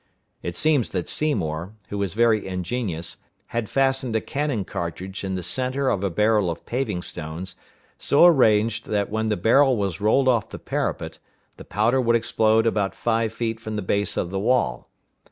It seems that Seymour, who is very ingenious, had fastened a cannon cartridge in the centre of a barrel of paving stones, so arranged that when the barrel was rolled off the parapet, the powder would explode about five feet from the base of the wall.